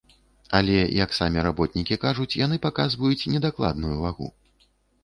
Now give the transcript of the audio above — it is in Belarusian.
Але, як самі работнікі кажуць, яны паказваюць недакладную вагу.